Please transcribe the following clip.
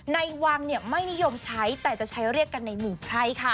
ในวังไม่นิยมใช้แต่จะใช้เรียกกันในมือไพร่ค่ะ